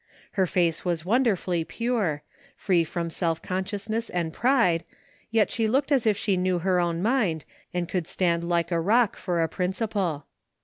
Her face was wonder fully pure, free from self consciousness and pride; yet she looked as if she knew her own mind and could stand 11 THE FINDING OF JASPER HOLT like a rock for a principle.